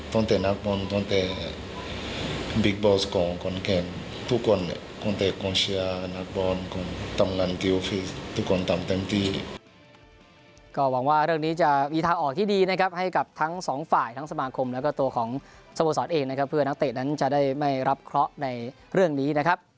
ตั้งแต่นักบอลตั้งแต่บิ๊กบอสกรทุกคนตั้งแต่กองเชียร์นักบอลตั้งแต่กิวฟิสทุกคนตั้งเต็มที่